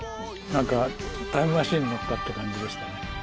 何かタイムマシンに乗ったって感じでしたね。